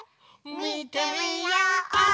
みてみよう！